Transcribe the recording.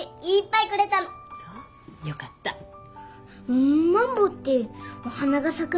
ウマンボっていうお花が咲く